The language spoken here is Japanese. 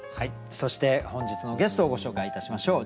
そして本日のゲストをご紹介いたしましょう。